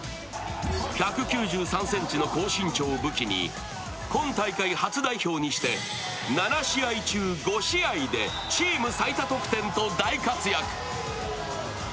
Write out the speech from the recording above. １９３ｃｍの高身長を武器に、今大会初代表にして７試合中、５試合でチーム最多得点と大活躍。